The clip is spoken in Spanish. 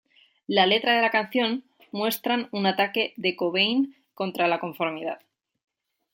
La letra de la canción muestran un ataque de Cobain contra la conformidad.